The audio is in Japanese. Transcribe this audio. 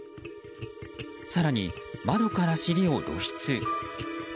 更に窓から尻を露出。